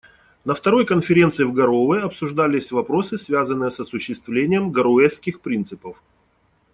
На второй конференции в Гароуэ обсуждались вопросы, связанные с осуществлением «Гароуэсских принципов».